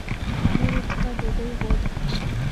نورو څخه ډوډۍ غواړي.